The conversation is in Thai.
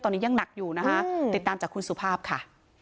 ท่องเที่ยวตอนนี้ยังหนักอยู่นะฮะติดตามจากคุณสุภาพค่ะ